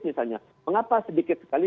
misalnya mengapa sedikit sekali